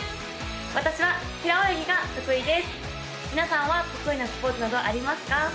私は平泳ぎが得意です皆さんは得意なスポーツなどありますか？